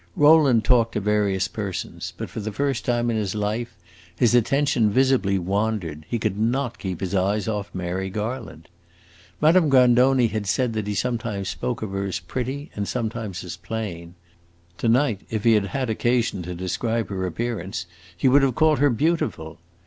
Rowland talked to various persons, but for the first time in his life his attention visibly wandered; he could not keep his eyes off Mary Garland. Madame Grandoni had said that he sometimes spoke of her as pretty and sometimes as plain; to night, if he had had occasion to describe her appearance, he would have called her beautiful.